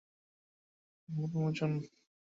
সন্ধের পর বছর বছর ব্রাহ্মণভোজন করায় কি না।